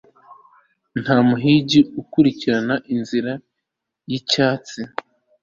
Nta muhigi ukurikirana inzira yicyatsi